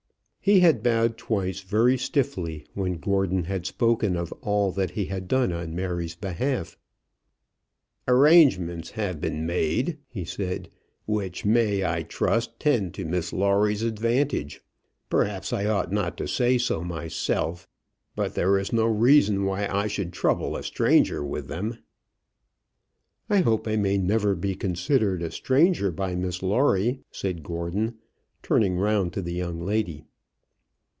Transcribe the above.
He had bowed twice very stiffly when Gordon had spoken of all that he had done on Mary's behalf. "Arrangements have been made," he said, "which may, I trust, tend to Miss Lawrie's advantage. Perhaps I ought not to say so myself, but there is no reason why I should trouble a stranger with them." "I hope I may never be considered a stranger by Miss Lawrie," said Gordon, turning round to the young lady.